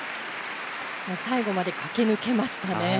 最後まで駆け抜けましたね。